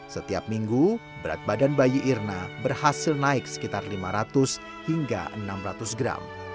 setiap minggu berat badan bayi irna berhasil naik sekitar lima ratus hingga enam ratus gram